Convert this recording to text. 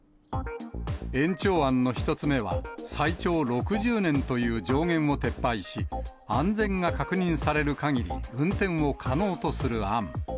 延長案の１つ目は、最長６０年という上限を撤廃し、安全が確認されるかぎり、運転を可能とする案。